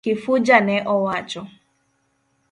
Kifuja ne owacho.